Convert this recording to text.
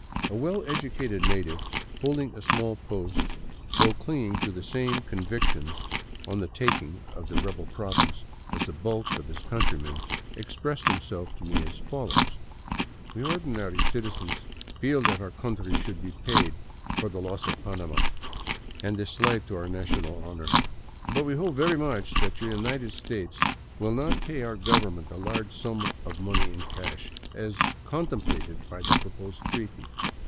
A well educated native holding a small post, though clinging to the same convictions 33 VAGABONDING DOWN THE ANDES on the " taking " of the " rebel province " as the bulk of his country men, expressed himself to me as follows: " We ordinary citizens feel that our country should be paid for the loss of Panama, and the slight to our national honor. But we hope very much that your United States will not pay our government a large sum of money in cash, as contemplated by the proposed treaty.